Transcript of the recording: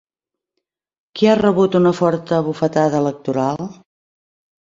Qui ha rebut una forta bufetada electoral?